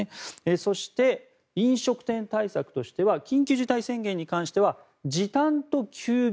そして、飲食店対策としては緊急事態宣言に関しては時短と休業